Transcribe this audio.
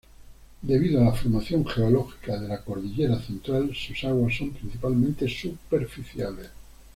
Debido a la formación geológica de la Cordillera Central, sus aguas son principalmente superficiales.